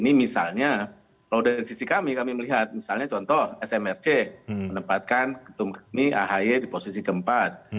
ini misalnya kalau dari sisi kami kami melihat misalnya contoh smrc menempatkan ketum kami ahy di posisi keempat